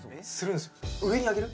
上に上げる？